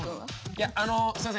いやあのすいません